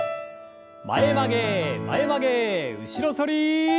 前曲げ前曲げ後ろ反り。